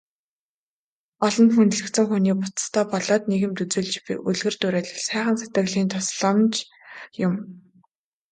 Олонд хүндлэгдсэн хүний бусдадаа болоод нийгэмд үзүүлж буй үлгэр дуурайл, сайхан сэтгэлийн тусламж юм.